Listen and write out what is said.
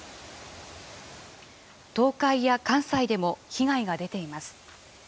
東海や関西でも被害が出ています。